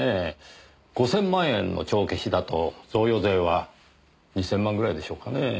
５０００万円の帳消しだと贈与税は２０００万ぐらいでしょうかねぇ。